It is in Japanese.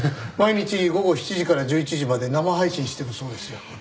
毎日午後７時から１１時まで生配信してるそうですよ。